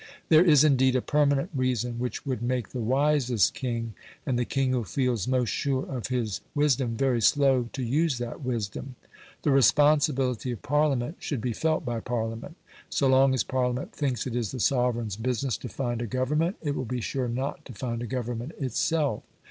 There is, indeed, a permanent reason which would make the wisest king, and the king who feels most sure of his wisdom, very slow to use that wisdom. The responsibility of Parliament should be felt by Parliament. So long as Parliament thinks it is the sovereign's business to find a Government it will be sure not to find a Government itself.